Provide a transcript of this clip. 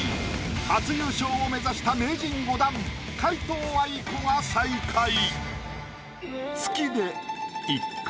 初優勝を目指した名人５段皆藤愛子が最下位。